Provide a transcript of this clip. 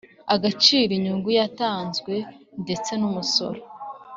Agaciro inyungu yatanzwe ndetse n umusoro